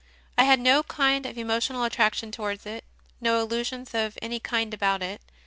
I had no kind of emotional attraction towards it, no illusions of any kind about it.